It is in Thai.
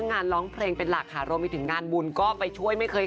น้องดุดิวเขาฮอตมากคุณผู้ชม